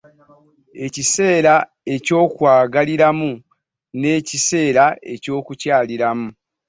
Ekiseera eky'okwagaliramu, n'ekiseera eky'okukyayiramu.